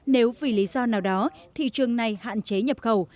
nếu vì lý do nào đó thị trường này hạn chế nhập khẩu